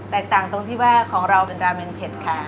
ต่างตรงที่ว่าของเราเป็นราเมนเผ็ดค่ะ